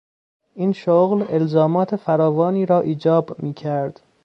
این شغل الزامات فراوانی را ایجاب میکرد.